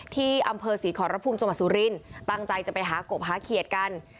ที่อำเภอศรีขอรพุมจังหวัดสุรินตั้งใจจะไปหากบหาเขียดกัน